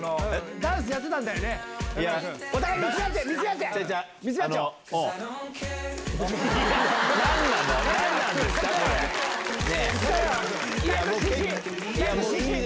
ダンスやってたんだよね？いや。